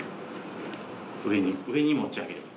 上に上に持ち上げる。